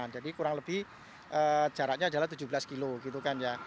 kurang lebih jaraknya adalah tujuh belas kilo gitu kan ya